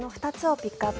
ピックアップ